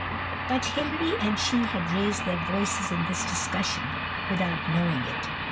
But Hilary and she had raised their voices in this discussion without knowing it.